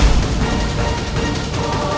temennya nak makan dulu